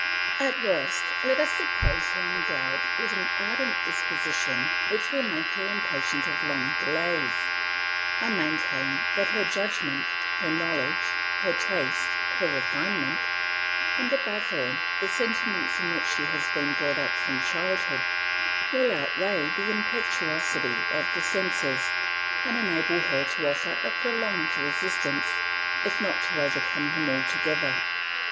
At worst let us suppose her endowed with an ardent disposition which will make her impatient of long delays; I maintain that her judgment, her knowledge, her taste, her refinement, and, above all, the sentiments in which she has been brought up from childhood, will outweigh the impetuosity of the senses, and enable her to offer a prolonged resistance, if not to overcome them altogether.